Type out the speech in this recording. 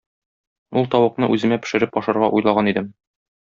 Ул тавыкны үземә пешереп ашарга уйлаган идем.